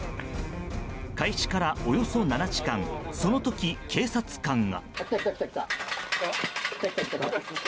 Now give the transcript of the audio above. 開始からおよそ７時間その時、警察官が。